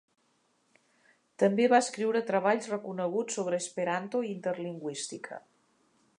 També va escriure treballs reconeguts sobre esperanto i interlingüística.